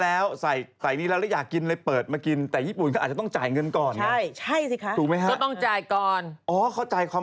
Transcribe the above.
ไม่ทำอะไรเลวซามโอ้พี่รู้ได้ไงหนุ่มเนี้ยถูกเขาด่าบ่อยมาก